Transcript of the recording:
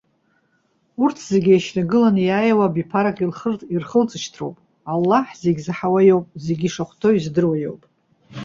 Урҭ зегьы, иеишьҭагыланы иааиуа абиԥарак ирхылҵышьҭроуп. Аллаҳ зегьы заҳауа иоуп, зегьы ишахәҭоу издыруа иоуп.